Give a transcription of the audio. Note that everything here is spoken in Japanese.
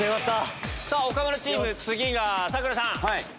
さぁ岡村チーム次が佐倉さん。